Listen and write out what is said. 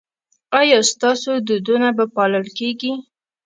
ایا ستاسو دودونه به پالل کیږي؟